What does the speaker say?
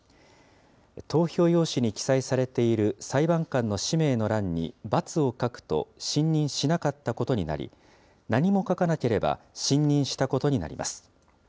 投票用紙に記載されている裁判官の氏名の欄に×を書くと、信任しなかったことになり、何も書かなければ、信任したことになります。